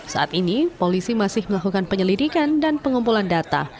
saat ini polisi masih melakukan penyelidikan dan pengumpulan data